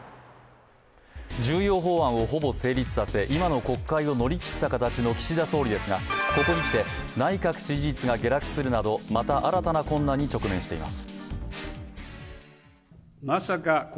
重要法案をほぼ成立させ、今の国会を乗り切った形の岸田総理ですが、ここに来て内閣支持率が下落するなど、また新たな困難に直面しています。